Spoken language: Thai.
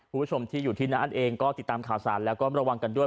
คุณผู้ชมที่อยู่ที่นั้นเองก็ติดตามข่าวสารแล้วก็ระวังกันด้วย